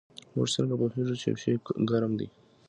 موږ څنګه پوهیږو چې یو شی ګرم دی